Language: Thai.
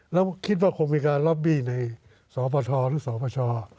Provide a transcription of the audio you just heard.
แล้วคิดว่าคงคมีความรับบีในศพทธหรือศพช